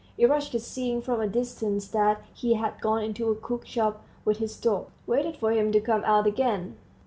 Eroshka, seeing from a distance that he had gone into a cookshop with his dog, waited for him to come out again.